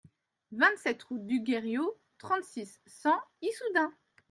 vingt-sept route du Guerriau, trente-six, cent, Issoudun